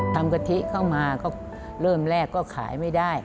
กะทิเข้ามาก็เริ่มแรกก็ขายไม่ได้